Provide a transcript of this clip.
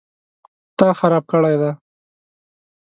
_تا خراب کړی دی؟